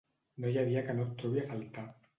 No hi ha dia que no et trobi a faltar.